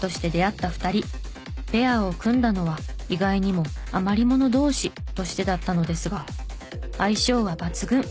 ペアを組んだのは意外にも余り者同士としてだったのですが相性は抜群！